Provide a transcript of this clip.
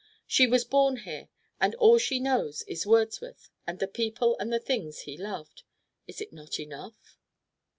She was born here, and all she knows is Wordsworth and the people and the things he loved. Is not this enough?